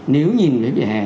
nếu nhìn cái vỉa hè